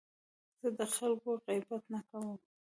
زه د خلکو غیبت نه کوم.